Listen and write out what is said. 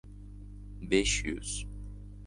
— Besh yuz.